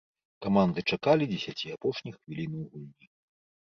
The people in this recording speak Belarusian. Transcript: Каманды чакалі дзесяці апошніх хвілінаў гульні.